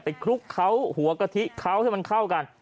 คลุกเขาหัวกะทิเขาให้มันเข้ากัน